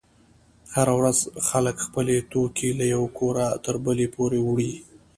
هره ورځ خلک خپل توکي له یوه کوره تر بله پورې وړي.